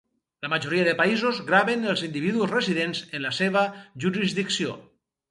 La majoria de països graven els individus residents en la seva jurisdicció.